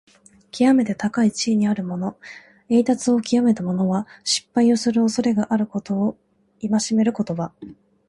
きわめて高い地位にあるもの、栄達をきわめた者は、失敗をするおそれがあることを戒める言葉。